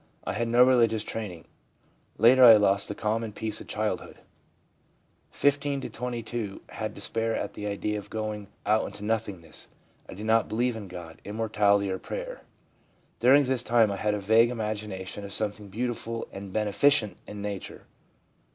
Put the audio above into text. I had no religious training. Later I lost the calm and peace of childhood ; 15 to 22 had despair at the idea of going out into nothingness. I did not believe in God, immortality or prayer. During this time I had a vague imagination of something beautiful and beneficent in nature.